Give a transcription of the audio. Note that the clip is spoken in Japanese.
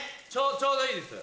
ちょうどいいです。